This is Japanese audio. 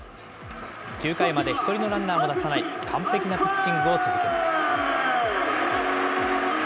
９回まで一人のランナーも出さない、完璧なピッチングを続けます。